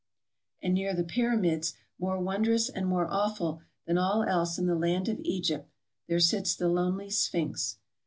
And near the Pyramids, more wondrous and more awful than all else in the land of Egypt, there sits the lonely Sphinx.